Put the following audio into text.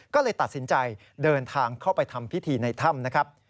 ก็เลยตัดสินใจเดินทางเข้าไปทำพิธีในถ้ำนะครับ